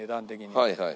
はいはい。